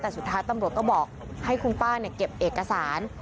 แต่สุดท้ายตำรวจก็บอกให้คุณป้าเก็บเอกสาร